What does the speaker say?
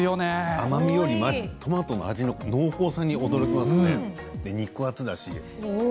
甘みよりまずトマトの味の濃厚さに驚きますね。